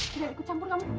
jangan ikut campur kamu